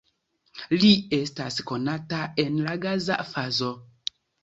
Li estas konata en la gaza fazo.